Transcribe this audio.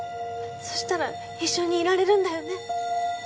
そしたら一緒にいられるんだよね？